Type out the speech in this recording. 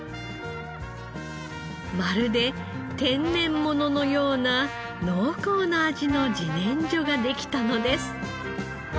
まるで天然物のような濃厚な味の自然薯ができたのです。